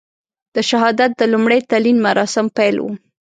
د شهادت د لومړي تلین مراسم پیل وو.